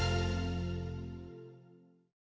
ขอให้คุณพระคุ้มครองและมีแต่สิ่งดีเข้ามาในครอบครัวนะครับ